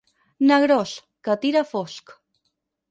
Negrós, que tira a fosc.